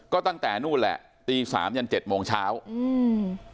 ก็ตั้งแต่นู่นแหละตีสามยันเจ็ดโมงเช้าอืม